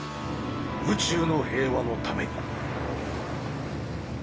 宇宙の平和のために。